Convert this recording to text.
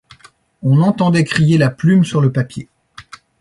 On entendait crier la plume sur le papier.